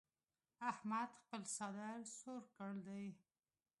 احمد خپل څادر سور کړ دی.